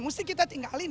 mesti kita tinggalin